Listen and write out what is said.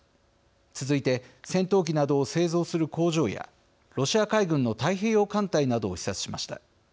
続いて、戦闘機などを製造する工場やロシア海軍の太平洋艦隊などを視察しました。